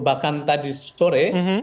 bahkan tadi sore